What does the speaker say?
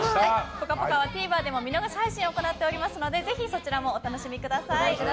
「ぽかぽか」はＴＶｅｒで見逃し配信を行っておりますのでぜひそちらもお楽しみください。